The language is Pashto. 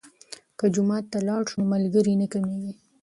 که جومات ته لاړ شو نو ملګري نه کمیږي.